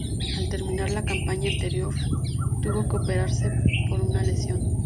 Al terminar la campaña anterior tuvo que operarse por una lesión.